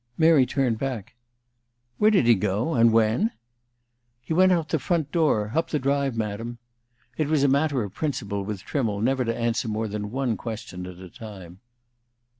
Mary turned back. "Where did he go? And when?" "He went out of the front door, up the drive, Madam." It was a matter of principle with Trimmle never to answer more than one question at a time.